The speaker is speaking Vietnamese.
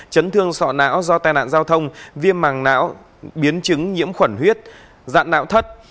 chấn thương sọ não do tai nạn giao thông viêm màng não biến chứng nhiễm khuẩn huyết dạ não thất